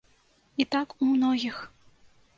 І так у многіх.